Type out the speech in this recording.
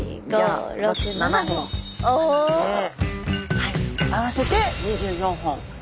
はい合わせて２４本。